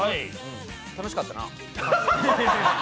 楽しかったな？